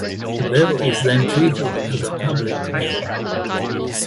The bill is then treated as a public bill.